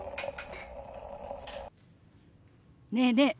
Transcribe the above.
ねえねえ